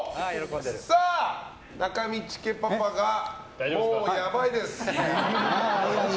さあ、中道家パパがもうやばいです。